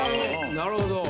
なるほど。